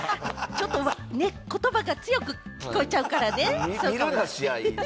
言葉が強く聞こえちゃうからね。